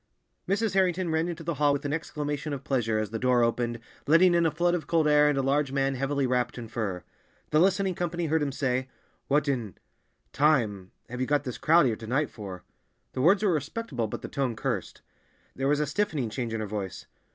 Mrs. Harrington ran into the hall with an exclamation of pleasure, as the door opened, letting in a flood of cold air and a large man heavily wrapped in fur. The listening company heard him say, "What in—time—have you got this crowd here to night for?" The words were respectable, but the tone cursed. There was a stiffening change in her voice.